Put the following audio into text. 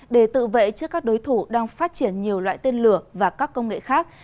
để tự vệ trước các đối thủ đang phát triển nhiều loại tên lửa và các công nghệ khác